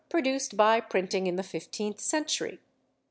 produced by printing in the fifteenth century.